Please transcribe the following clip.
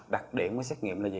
đặc điểm của xét nghiệm là gì